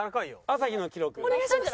朝日の記録。